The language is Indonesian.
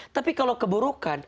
tapi kalau keburukan